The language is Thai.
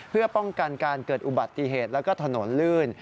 เพื่อป้องกันการเกิดอุบัติเหตุแล้วก็ถนนลื่น